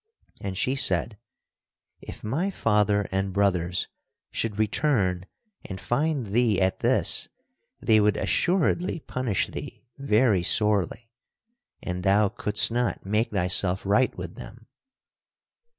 And she said: "If my father and brothers should return and find thee at this, they would assuredly punish thee very sorely, and thou couldst not make thyself right with them."